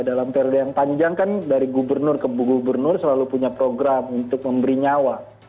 dalam periode yang panjang kan dari gubernur ke gubernur selalu punya program untuk memberi nyawa